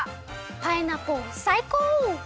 パイナポーさいこう！